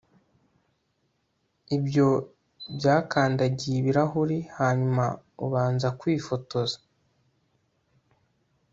ibyo byakandagiye ibirahuri hanyuma ubanza kwifotoza